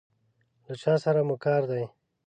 له چا سره مو کار دی؟